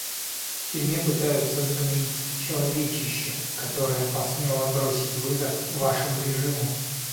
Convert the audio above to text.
В тюрьме пытаются сгноить человечище, которое посмело бросить вызов вашему режиму.